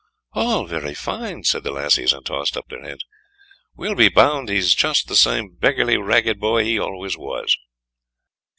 "All very fine," said the lassies, and tossed up their heads. "We'll be bound he's just the same beggarly ragged boy he always was."